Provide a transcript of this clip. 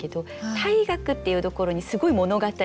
「退学」っていうところにすごい物語が実はあって。